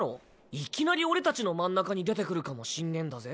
いきなり俺たちの真ん中に出てくるかもしんねぇんだぜ。